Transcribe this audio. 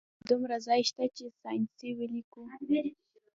هلته دومره ځای شته چې ساینسي ولیکو